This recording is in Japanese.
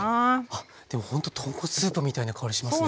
あっでもほんと豚骨スープみたいな香りしますね。